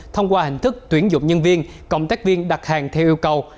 thông qua hình thức tuyển dụng nhân viên cộng tác viên đặt hàng theo yêu cầu